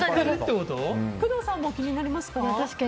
工藤さんも気になりますか？